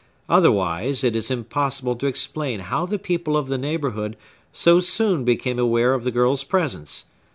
Otherwise, it is impossible to explain how the people of the neighborhood so soon became aware of the girl's presence.